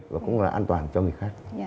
và cũng là an toàn cho người khác